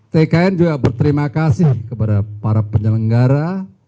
tkn juga berterima kasih kepada para penyelenggara